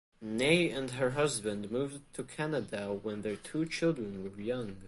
Nay and her husband moved to Canada when their two children were young.